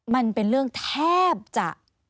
มันเป็นเรื่องแทบจะ